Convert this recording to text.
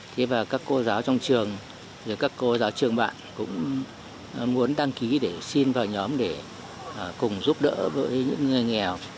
thế và các cô giáo trong trường rồi các cô giáo trường bạn cũng muốn đăng ký để xin vào nhóm để cùng giúp đỡ với những người nghèo